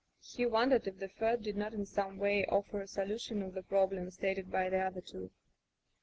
He wondered if the third did not in some way offer a solution of the problem stated by the other two.